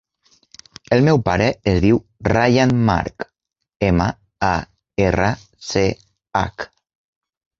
El meu pare es diu Rayan March: ema, a, erra, ce, hac.